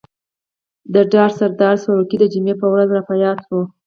د ډر سردار سروکی د جمعې په ورځ را په ياد شو.